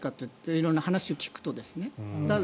色んな話を聞くとですね。